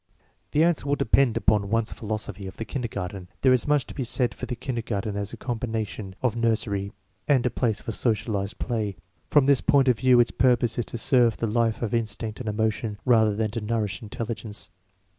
The answer will depend upon one's philosophy of the kindergarten. There is much to be said for the kindergarten as a combination of 40 INTELLIGENCE OP SCHOOL CHILDREN nursery and a place for socialized play. Prom this point of view its purpose is to serve the life of instinct and emotion, rather than to nourish intelligence.